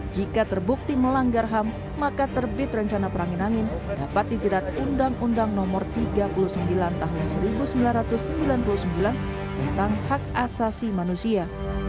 jika terbukti melanggar ham maka terbit rencana perangin angin dapat dijerat undang undang no tiga puluh sembilan tahun seribu sembilan ratus sembilan puluh sembilan tentang hak asasi manusia